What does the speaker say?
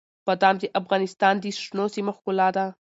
بادام د افغانستان د شنو سیمو ښکلا ده.